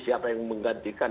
siapa yang menggantikan